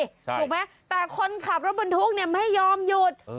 ถูกไหมแต่คนขับรถบรรทุกเนี่ยไม่ยอมหยุด